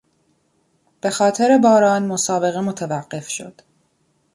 به خاطر باران مسابقه متوقف شد.